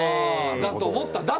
だと思ったよ！